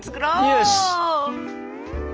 よし！